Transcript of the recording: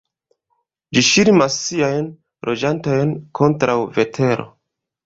Ĝi ŝirmas siajn loĝantojn kontraŭ vetero.